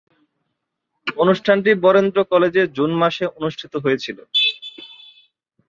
অনুষ্ঠানটি বরেন্দ্র কলেজে জুন মাসে অনুষ্ঠিত হয়েছিলো।